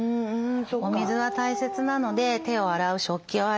お水は大切なので手を洗う食器を洗う